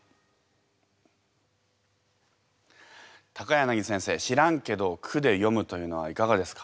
柳先生「知らんけど」を句で詠むというのはいかがですか？